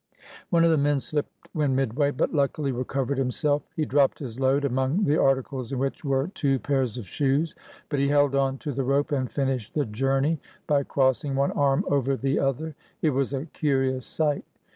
One of the men slipped when midway, but luckily re covered himself. He dropped his load, among the articles in which were two pairs of shoes; but he held on to the rope and finished the "journey" by crossing one arm over the other. It was a curious sight.